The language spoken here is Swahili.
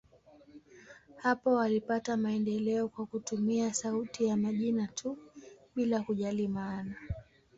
Hapo walipata maendeleo kwa kutumia sauti ya majina tu, bila kujali maana.